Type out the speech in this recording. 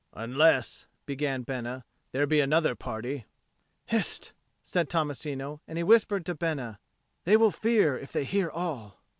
"Unless," began Bena, "there be another party " "Hist!" said Tommasino, and he whispered to Bena, "They will fear if they hear all."